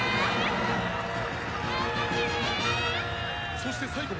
そして最後は